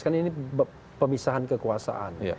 kan ini pemisahan kekuasaan